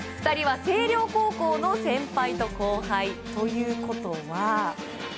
２人は星稜高校の先輩と後輩。ということは。